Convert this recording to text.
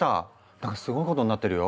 なんかすごいことになってるよ。